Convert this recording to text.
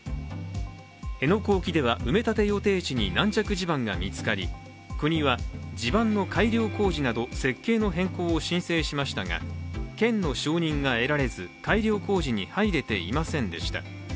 辺野古沖では、埋め立て予定地に軟弱地盤が見つかり、国は地盤の改良工事など設計の変更を申請しましたが県の承認が得られず改良工事に入れていませんでした。